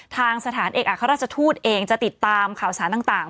ทางสถานเอกอัครราชทูตเองจะติดตามข่าวสารต่าง